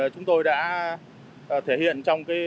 chúng tôi đã thể hiện